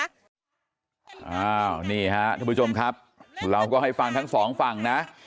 อ้าวนี่ครับทุกผู้ชมครับเราก็ให้ฟังทั้ง๒ฝั่งนะ